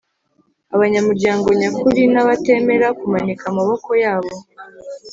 Abanyamuryango nyakuri nabatemera kumanika amaboko yabo